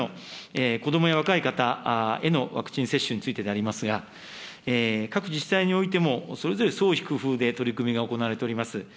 そして３点目の子どもや若い方へのワクチン接種についてでありますが、各自治体においてもそれぞれ創意工夫で取り組みが行われております。